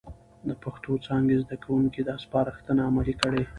د پښتو څانګې زده کوونکي دا سپارښتنه عملي کړي،